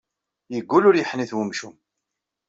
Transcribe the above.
Yeggul ur yeḥnit wemcum.